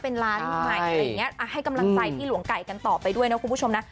เป็นร้านใหม่ให้กำลังใจที่หลวงไก่กันต่อไปด้วยนะคุณผู้ชมนะ